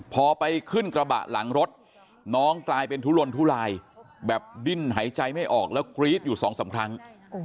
พอไปขึ้นกระบะหลังรถน้องกลายเป็นทุลนทุลายแบบดิ้นหายใจไม่ออกแล้วกรี๊ดอยู่สองสามครั้ง